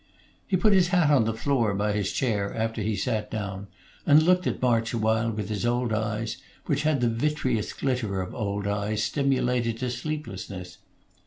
He put his hat on the floor by his chair, after he sat down, and looked at March awhile with his old eyes, which had the vitreous glitter of old. eyes stimulated to sleeplessness.